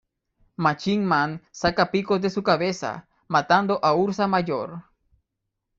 Machine Man saca picos de su cabeza, matando a Ursa Major.